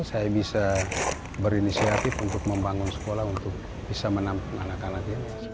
saya bisa berinisiatif untuk membangun sekolah untuk bisa menampung anak anak